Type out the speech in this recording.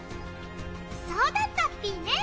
そうだったっぴぃね。